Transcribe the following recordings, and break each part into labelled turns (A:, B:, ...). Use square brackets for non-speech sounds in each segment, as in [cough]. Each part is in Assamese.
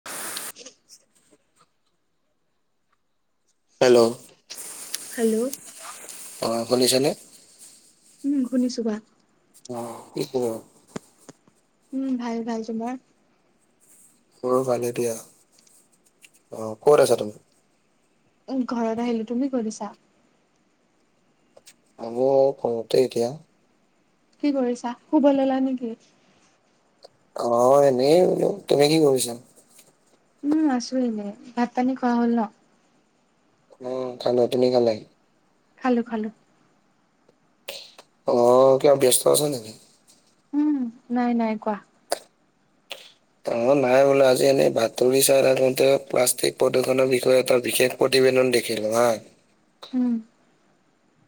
A: [unintelligible] হেল্ল'
B: হেল্ল'
A: অ' শুনিছানে?
B: উম্ শুনিছো কোৱা।
A: অ' কি [unintelligible]
B: উম্ ভাল ভাল তোমাৰ?
A: মোৰ ভালে দিয়া। অ' কত আছা তুমি?
B: উ্ ঘৰত আহিলো তুমি ক'ত আছা?
A: [unintelligible] ঘৰতে এতিয়া।
B: কি কৰিছা, শুব ললা নেকি?
A: অ' এনেই বলো তুমি কি কৰিছা।
B: উম্ আছো এনে ভাত পানি খোৱা হ'ল ন।
A: উম্ খালো। তুমি খালা?
B: খালো খালো।
A: অ' কিবা ব্যস্ত আছা নেকি?
B: উম নাই নাই কোৱা।
A: অ' নাই বোলো আজি এনে বাতৰি চাই থাকোঁতে প্লাষ্টিক প্ৰদূষণৰ বিষয়ে এটা বিশেষ প্ৰতিবেন দেখিলো হা।
B: উম্।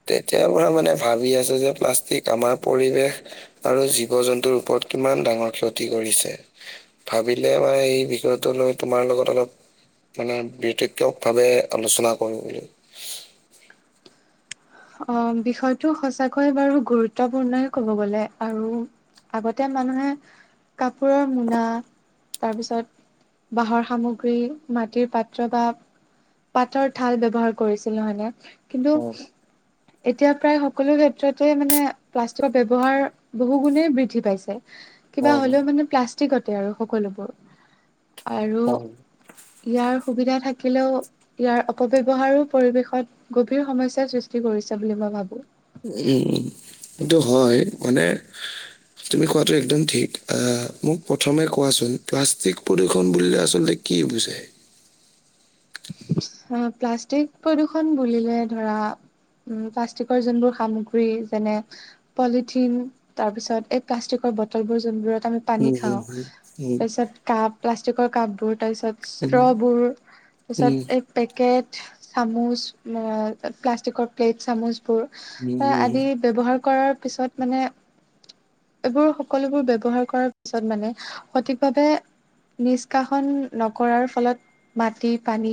A: তেতিয়াৰ পৰা মানে ভাবি আছোঁ যে, প্লাষ্টিক আমাৰ পৰিৱেশ আৰু জীৱ-জন্তুৰ ওপৰত কিমান ডাঙৰ ক্ষতি কৰিছে। ভাবিলে মই এই বিষয়টো লৈ তোমাৰ লগত অলপ মানে বিতক্য ভাৱে আলোচনা কৰিম বুলি।
B: অ বিষয়টো সঁচাকৈয়ে বাৰু গুৰুত্বপূৰ্ণই ক'ব গলে, আৰু আগতে মানুহে কাপোৰৰ মোনা, তাৰপিছত বাঁহৰ সামগ্ৰী মাটিৰ পাত্ৰ বা পাতৰ থাল ব্যৱহাৰ কৰিছিল নহয়নে। কিন্তু
A: অ',
B: এতিয়া প্ৰায় সকলো ক্ষেত্ৰতে মানে, প্লাষ্টিকৰ ব্যৱহাৰ বহু গুণে বৃদ্ধি পাইছে। কিবা
A: অ',
B: হ'লেও মানে প্লাষ্টিকতে আৰু সকলোবোৰ। আৰু
A: অ'।
B: ইয়াৰ সুবিধা থাকিলেও ইয়াৰ অপব্যৱহাৰো পৰিৱেশত গভীৰ সমস্যাৰ সৃষ্টি, কৰিছে বুলি মই ভাবোঁ।
A: উম' সেইটো হয় মানে, তুমি কোৱাটো একদম ঠিক, আহ মোক প্ৰথমে কোৱাচোন প্লাষ্টিক প্ৰদূৰ্ষণ বুলিলে আচলতে, কি বুজায়।
B: অ' প্লাষ্টিক প্ৰদূৰষণ বুলিলে ধৰা, উ প্লাষ্টিকৰ যোনবোৰ সামগ্ৰী যেনে, পলিথিন তাৰ পিছত এই প্লাষ্টিকৰ বটলবোৰ যোনবোৰত আমি, পানী
A: উম, হম,
B: খাওঁ।
A: হম,
B: তাৰপিছত কাপ, প্লাষ্টিকৰ কাপ বোৰ তাৰপিছত
A: উম,
B: ষ্ট্ৰবোৰ, তাৰ
A: উম,
B: পিছত এই পেকেট, চামুচ, প্লাষ্টিকৰ প্লেট চামুচ। বোৰ
A: উম,
B: আদি ব্যৱহাৰ কৰাৰ পিছত মানে, এইবোৰ সকলোবোৰ ব্যৱহাৰ কৰাৰ পিছত মানে সঠিকভাৱে, নিষ্কাশন নকৰাৰ ফলত মাটিত, পানী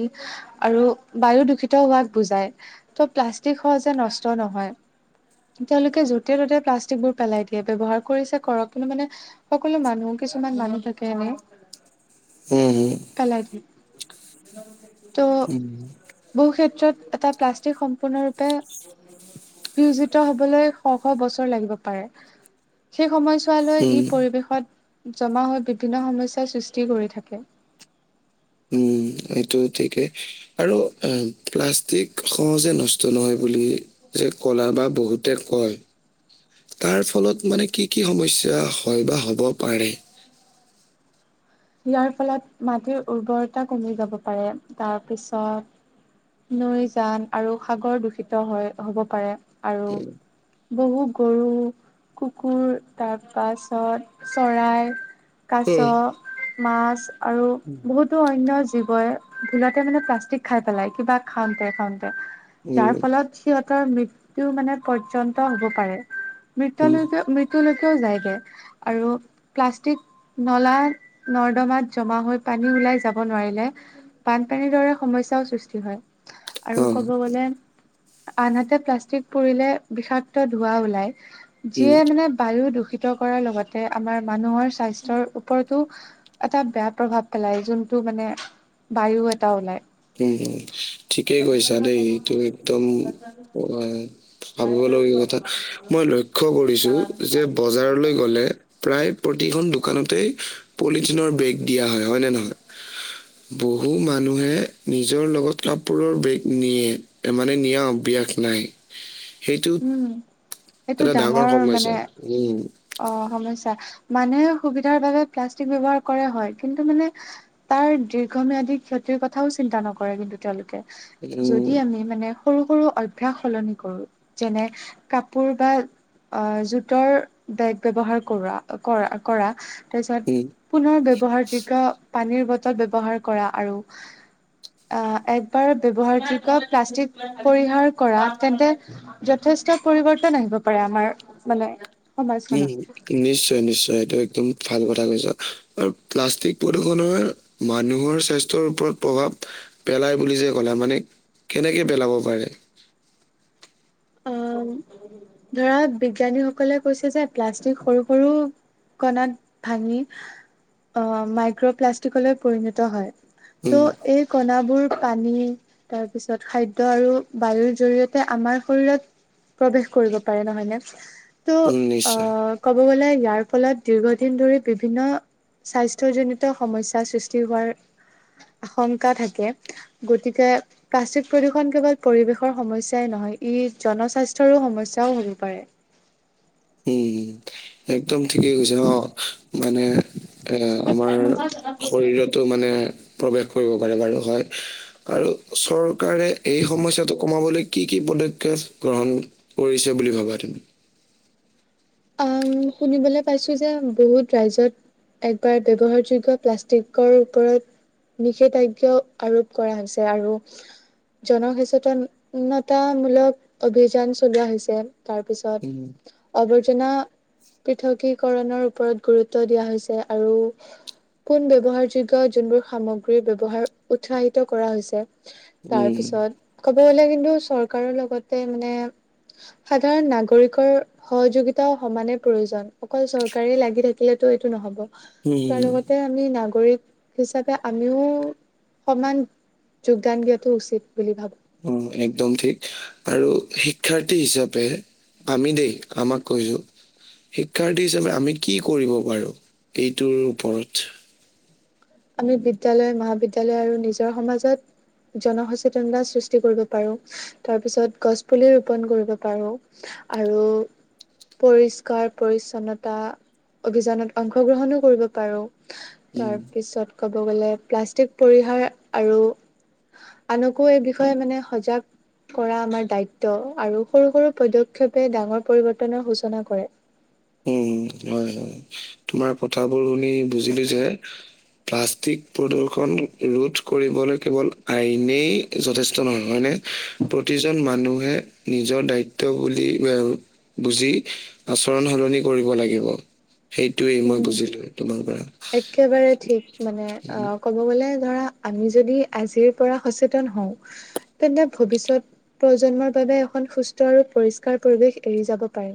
B: আৰু বায়ু দূষিত হোৱাক বুজাই। ত' প্লাষ্টিক সহজে নষ্ট নহয়। তেওঁলোকে য'তে ত'তে প্লাষ্টিক বোৰ পেলাই দিয়ে। ব্যৱহাৰ কৰিছে কৰক কিন্তু মানে, সকলো মানুহ কিছুমান মানুহ থাকে এনেই,
A: উম'
B: পেলাই দিয়ে ত'
A: হুম, উম,
B: বহু ক্ষেত্ৰত এটা প্লাষ্টিক সম্পূৰ্ণৰূপে বিয়োজিত হবলৈ শ শ বছৰ লাগিব পাৰে। সেই সময়ত, বিদ্যালয়ৰ
A: উম,
B: ই পৰিৱেশত জমা হৈ বিভিন্ন সমস্যাৰ সৃষ্টি কৰি থাকে।
A: উম' এইটো ঠিকেই। আৰু এ প্লাষ্টিক সহজে নষ্ট নহয় বুলি, যে কলা বা বহুতে কয়, তাৰ ফলত মানে কি কি সমস্যা হয় বা হ'ব পাৰে।
B: ইয়াৰ ফলত মাটিৰ উৰ্বৰতা কমি যাব পাৰে তাৰ পিছত, নৈ জান আৰু সাগৰ দূষিত হয়, হ'ব পাৰে। আৰু, বহু গৰু কুকুৰ তাৰ পাছত চৰাই, কাছ,
A: উম,
B: মাছ আৰু বহুতো অন্য জীৱই, ভুলতে মানে প্লাষ্টিক খাই পেলাই। কিবা খাওঁতে খাওঁতে
A: উম,
B: যাৰ ফলত সিহতৰ মৃত্যু মানে পৰ্যন্ত হ'ব পাৰে মৃত্য
A: উম,
B: লৈকে মৃত্যু, লৈকেও যায়গৈ আৰু প্লাষ্টিক নলা, নৰ্দমাত জমা হৈ পানী ওলাই যাব নোৱাৰিলে বানপানীৰ দৰে সমস্যাও সৃষ্টি হয়। আৰু
A: অ', উম,
B: কব গলে আনহাতে প্লাষ্টিক পুৰিলে বিষাক্ত ধোৱা ওলায়। যিয়ে মানে বায়ু দূষিত কৰাৰ লগতে আমাৰ মানুহৰ স্বাস্থ্যৰ ওপৰতো। এটা বেয়া প্ৰভাৱ পেলাই যোনটো মানে বায়ু এটা ওলায়।
A: উম' ঠিকেই কৈছা দেই এইটো একদম হয় ভাবিবলগীয়া কথা। মই লক্ষ্য কৰিছোঁ যে বজাৰলৈ গ'লে, প্ৰায় প্ৰতিখন দোকানতেই পলিথিনৰ বেগ দিয়া হয় হয় নে নহয়। বহু মানুহে, নিজৰ লগত কাপোৰৰ বেগ নিয়ে, মানে নিয়া অভ্যাস নাই সেইটো
B: উম' এইটো
A: এটা
B: ডাঙৰ
A: সমস্যা
B: মানে,
A: উম,
B: অ' সমস্যা মানুহে সুবিধাৰ বাবে প্লাষ্টিক ব্যৱহাৰ কৰে হয়। কিন্তু মানে, তাৰ দীৰ্ঘম্যাদী ক্ষতিৰ কথাও চিন্তা নকৰে কিন্তু তেওঁলোকে।
A: উম,
B: যদি আমি মানে সৰু সৰু অভ্যাস সলনি কৰোঁ। যেনে কাপোৰ বা অ জুটৰ বেগ ব্যৱহাৰ কৰোৱা কৰা কৰা
A: উম।
B: তাৰপিছত। পুনৰ ব্যৱহাৰ যোগ্য পানীৰ বটল ব্যৱহাৰ কৰা আৰু আহ একবাৰ ব্যৱহাৰ যোগ্য প্লাষ্টিক পৰিহাৰ কৰা তেন্তে যথেষ্ট পৰিৱৰ্তন আহিব পাৰে আমাৰ মানে সমাজখনত
A: উম। নিশ্চয় নিশ্চয় এইটো একদম ভাল কথা কৈছ আৰু প্লাষ্টিক প্ৰদূৰষণৰ মানুহৰ স্বাস্থ্যৰ ওপৰত প্ৰভাৱ পেলাই বুলি যে ক'লে মানে কেনেক পেলাব পাৰে।
B: অ ধৰা বিজ্ঞানীসকলে কৈছে যে প্লাষ্টিক সৰু সৰু কণাত ভাঙি আহ মাইক্ৰ'প্লাষ্টিকলৈ পৰিণত হয়।
A: উম
B: ত' এই কণাবোৰ পানী তাৰপিছত খাদ্য আৰু বায়ুৰ জৰিয়তে আমাৰ শৰীৰত প্ৰৱেশ কৰিব পাৰে নহয়নে।
A: উম
B: ত'
A: নিশ্চয়।
B: আহ ক'ব গ'লে ইয়াৰ ফলত দীৰ্ঘদিন ধৰি বিভিন্ন স্বাস্থ্যজনিত সমস্যাৰ সৃষ্টি হোৱাৰ আশংকা থাকে। গতিকে প্লাষ্টিক প্ৰদূষণ কেৱল পৰিৱেশৰ সমস্যাই নহয়। ই জনস্বাস্থ্যৰো সমস্যাও হ'ব পাৰে।
A: উম, একদম ঠিকেই কৈছে। অ', মানে এ আমাৰ শৰীৰতো মানে প্ৰৱেশ কৰিব পাৰে বাৰু হয়। আৰু চৰকাৰে এই সমস্যাটো কমাবলৈ কি কি পদক্ষেপ গ্ৰহণ কৰিছে বুলি ভাবা তুমি?
B: অ', শুনিবলৈ পাইছো যে বহুত ৰাজ্যত একবাৰ ব্যৱহাৰযোগ্য প্লাষ্টিকৰ ওপৰত নিষেধাজ্ঞা আৰোপ কৰা হৈছে। আৰু জনসচেতনতামূলক অভিযান চলোৱা হৈছে।
A: উম
B: তাৰপিছত অবৈ চিনা, পৃথকীকৰণৰ ওপৰত গুৰুত্ব দিয়া হৈছে। আৰু পোন ব্যৱহাৰযোগ্য যোনবোৰ সামগ্ৰী ব্যৱহাৰ উৎসাহিত কৰা হৈছে।
A: উম
B: তাৰপিছত ক'ব গ'লে কিন্তু চৰকাৰৰ লগতে মানে সাধাৰণ নাগৰিকৰ সহযোগিতা তা সমানে প্ৰয়োজন। অকল চৰকাৰে লাগি থাকিলেতো এইটো নহ'ব। তাৰ
A: উম
B: লগতে আমি নাগৰিক হিচাপে আমিও সমান যোগদান দিয়াটো উচিত বুলি ভাবো।
A: উম, একদম ঠিক। আৰু শিক্ষাৰ্থী হিচাপে আমি দেই আমাক কৈছো। শিক্ষাৰ্থী হিচাপে আমি কি কৰিব পাৰো এইটোৰ ওপৰত।
B: আমি বিদ্যয়ালয়, মহাবিদ্যয়ালয় আৰু নিজৰ সমাজত জনসচেতনতা সৃষ্টি কৰিব পাৰো। তাৰপিছত গছ পুলি ৰোপন কৰিব পাৰো। আৰু পৰিষ্কাৰ-পৰিচ্ছন্নতা। অভিযানত অংশগ্ৰহণো কৰিব পাৰো। তাৰ
A: উম,
B: পিছত ক'ব গ'লে প্লাষ্টিক পৰিহাৰ আৰু আনকো এই বিষয়ে মানে সজাগ কৰা আমাৰ দায়িত্ব। আৰু সৰু সৰু পদক্ষেপে ডাঙৰ পৰিৱৰ্তনৰ সূচনা কৰে।
A: উম, হয় হয়। তোমাৰ কথাবোৰ শুনি বুজিলো যে প্লাষ্টিক প্ৰদূষণ ৰোধ কৰিবলৈ কেৱল আইনে যথেষ্ট নহয় হয়নে। প্ৰতিজন মানুহে নিজৰ দায়িত্ব বুলি বুজি আচৰণ সলনি কৰিব লাগিব। সেইটোৱেই মই
B: উম,
A: বুজিলো তোমাৰ পৰা।
B: একেবাৰে ঠিক মানে অ' ক'ব গ'লে ধৰা আমি যদি আজিৰ পৰা সচেতন হওঁ তেন্তে ভৱিষ্যত প্ৰজন্মৰ বাবে এখন সুস্থ আৰু পৰিষ্কাৰ পৰিৱেশ এৰি যাব পাৰিম।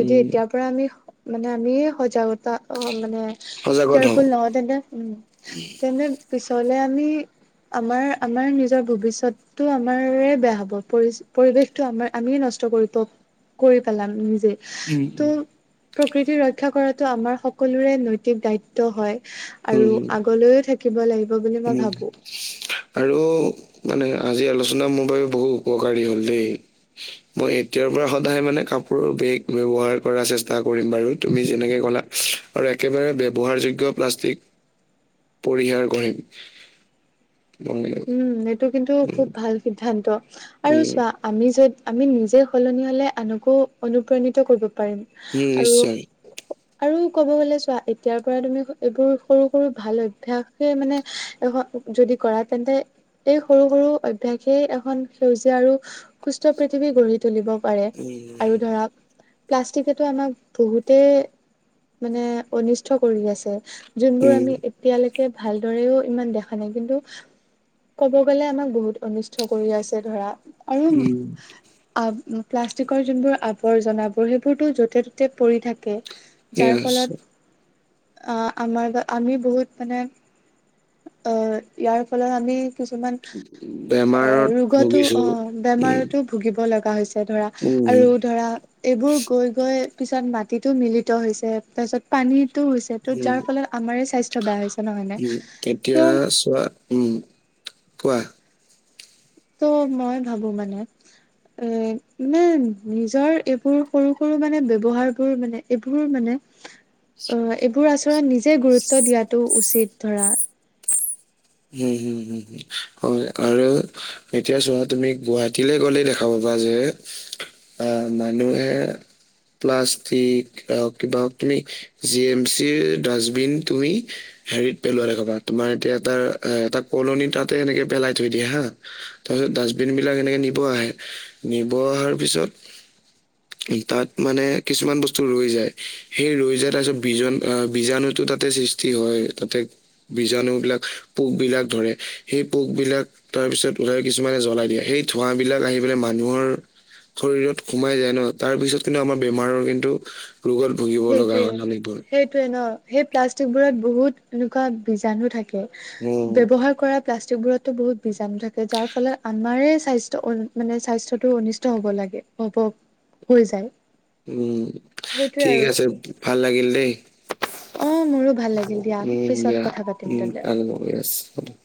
B: যদি এতিয়াৰ পৰা আমি মানে আমিয়ে সজাগতা, অ', মানে
A: সজাগত হওঁ
B: কেয়াৰফুল নহওঁ, তেন্তে উম, তেন্তে পিছলে আমি আমাৰ আমাৰ নিজৰ ভৱিষ্যত টো আমাৰে বেয়া হ'ব। পৰিচ পৰিৱেশটো আমাৰ আমিয়ে নষ্ট কৰি [unintelligible] কৰি পেলাম নিজেই।
A: উম,
B: ত' প্ৰকৃতি ৰক্ষা কৰা টো আমাৰ সকলোৰে নৈতিক দায়িত্ব হয়। আৰু
A: উম, উম,
B: আগলৈয়ো থাকিব লাগিব বুলি মই
A: উম,
B: ভাবোঁ।
A: আৰু মানে আজি আলোচনা মোৰ বাবে বহু উপকাৰী হ'ল দেই। [inaudible] মই এতিয়াৰ পৰা সদায় মানে কাপোৰৰ বেগ ব্যৱহাৰ কৰা চেষ্টা কৰিম বাৰু। তুমি যেনেকে ক'লা। আৰু একেবাৰে ব্যৱহাৰযোগ্য প্লাষ্টিক পৰিহাৰ কৰিম।
B: উম, এইটো কিন্তু
A: উম,
B: খুব ভাল সিদ্ধান্ত। আৰু চোৱা আমি য'ত আমি নিজে সলনি হ'লে আনকো অনুপ্ৰাণিত কৰিব পাৰিম।
A: উম,
B: আৰু
A: [inaudible]
B: আৰু ক'ব গ'লে চোৱা, এতিয়াৰ পৰা তুমি এইবোৰ সৰু, সৰু ভাল অভ্যাসে মানে এখন যদি কৰাত তেন্তে এই সৰু, সৰু অভ্যাসেই এখন সেউজীয়া আৰু সুস্থ পৃথিৱী গঢ়ি তুলিব পাৰে
A: উম।
B: আৰু ধৰক প্লাষ্টিকেটো আমাক বহুতেই মানে, অনিষ্ট কৰি আছে। যোনবোৰ
A: উম,
B: আমি এতিয়ালৈকে ভালদৰেও ইমান দেখা নাই কিন্তু ক'ব গলে, আমাক বহুত অনিষ্ট কৰি আছে ধৰা আৰু
A: উম,
B: আ প্লাষ্টিকৰ যোনবোৰ আৱৰ্জনাবোৰ সেইবোৰতো য'তে ত'তে পৰি থাকে। যাৰ
A: য়েছ
B: ফলত আহ আমাৰ বা আমি বহুত মানে অ', ইয়াৰ ফলত আমি কিছুমান
A: বেমাৰত
B: ৰোগটো
A: ভুগিছো।
B: অ'
A: উম,
B: বেমাৰতো ভুগিব লগা হৈছে ধৰা
A: উম,
B: আৰু ধৰা এইবোৰ গৈ, গৈ পিছত মাটিতো মিলিত হৈছে। তাৰপিছত পানীতো হৈছে ত'
A: উম,
B: যাৰ ফলত আমাৰ স্বাস্থ্য বেয়া হৈছে নহয়নে?
A: উম, এতিয়া
B: ত'
A: চোৱা উম, কোৱা!
B: ত' মই ভাবো মানে। এ মানে নিজৰ এইবোৰ সৰু, সৰু মানে ব্যৱহাৰ বোৰ মানে এইবোৰ মানে অ', এইবোৰ আচৰন নিজে গুৰুত্ব দিয়াতটো উচিত ধৰা।
A: হুম, হুম হু! হয় আৰু এতিয়া চোৱা তুমি গুৱাহাটীলৈ গ'লে দেখা পাবা যে আ, মানুহে প্লাষ্টিক আ, কিবাকিবি, জি এম চিৰ ডাষ্টবিন তুমি হেৰিত পেলোৱা দেখবা, তোমাৰ এতিয়া এটা, এটা কলনী তাতে এনেকে পেলাই থৈ দিয়ে হা! তাৰ পিছত ডাষ্টবিন বিলাক এনেকে নিব আহে, নিব অহাৰ পিছত তাত মানে কিছুমান বস্তু ৰৈ যায়, সেই ৰৈ যায় তাৰ পিছত বীজণ বীজাণুটো তাতে সৃষ্টি হয়, তাতে বীজাণুবিলাক পোকবিলাক ধৰে, সেই পোকবিলাক তাৰপিছত ওলাই কিছুমানে জ্বলাই দিয়ে সেই ধোঁৱা বিলাক আহি পেলাই মানুহৰ শৰীৰত সোমাই যায় ন, তাৰপিছত কিন্তু আমাৰ বেমাৰৰ কিন্তু ৰুগত ভূগি
B: সেইটোয়ে, সেইটোয়ে ন, সেই প্লাষ্টিক বোৰত বহুত এনেকুৱা বীজাণু থাকে।
A: উম
B: ব্যৱহাৰ কৰা প্লাষ্টিকবোৰতো বহুত বীজাণু থাকে যাৰ ফলত আমাৰে স্বাস্থ্য মানে স্বাস্থ্যতটোৰ অনিষ্ট হ'ব লাগে, হ'ব। হৈ যায়।
A: উম্
B: সেইটোৱে
A: ঠিক
B: আৰু
A: আছে, ভাল লাগিল দেই।
B: অ মোৰো ভাল লাগিল দিয়া
A: উম
B: পিছত কথা পাতিম তেন্তে
A: দিয়া [unintelligible]